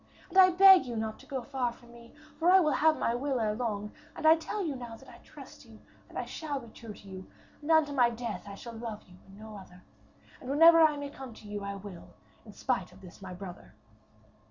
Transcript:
And I beg you go not far from me, for I will have my will erelong, and I tell you now that I trust you, and I shall be true to you, and unto my death I shall love you and no other. And whenever I may come to you I will, in spite of this my brother.'